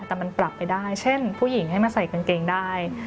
แต่มันปรับไปได้เช่นผู้หญิงให้มาใส่กางเกงได้